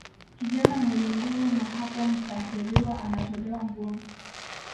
Kijana mwenye nguvu na hapo mtahiriwa anatolewa nguo